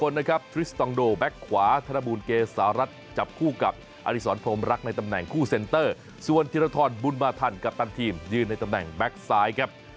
ในตำแหน่งคู่เซนเตอร์ส่วนธิรัฐรบุญมาธรรณกับตันทีมยืนในตำแหน่งแบ็คซ้ายครับ